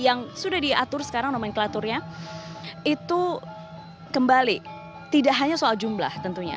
yang sudah diatur sekarang nomenklaturnya itu kembali tidak hanya soal jumlah tentunya